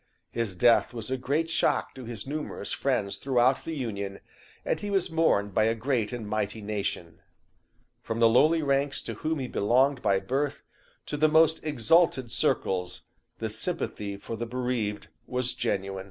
His death was a great shock to his numerous friends throughout the Union, and he was mourned by a great and mighty nation. From the lowly ranks to whom he belonged by birth, to the most exalted circles, the sympathy for the bereaved was genuine."